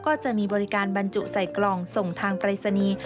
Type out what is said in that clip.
ก็จะมีบริการบรรจุใส่กล่องส่งทางปรายศนีย์